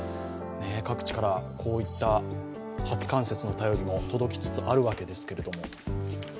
各地からこういった初冠雪の便りも届きつつあるんですけれども。